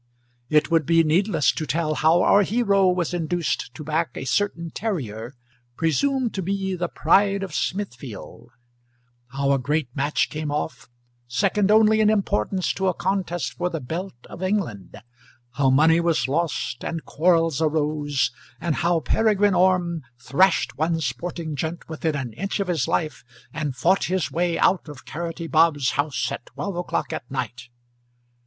It would be needless to tell how our hero was induced to back a certain terrier, presumed to be the pride of Smithfield; how a great match came off, second only in importance to a contest for the belt of England; how money was lost and quarrels arose, and how Peregrine Orme thrashed one sporting gent within an inch of his life, and fought his way out of Carroty Bob's house at twelve o'clock at night.